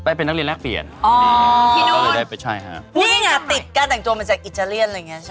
อิตาเลียนเรียนไปทำไมเนี่ย